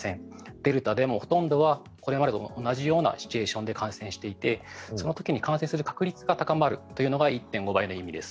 デルタでもほとんどはこれまでと同じようなシチュエーションで感染していてその時に感染する確率が高まるというのが１．５倍の意味です。